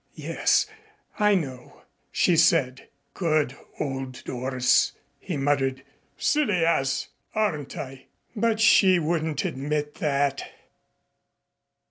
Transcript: "Yes, I know," she said. "Good old Doris," he muttered. "Silly ass, aren't I?" But she wouldn't admit that.